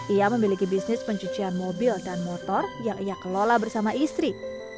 ia memiliki bisnis pencucian mobil dan motor yang ia kelola bersama istri